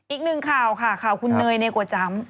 อีกหนึ่งข่าวค่ะข่าวคุณเนยในกว่าจำ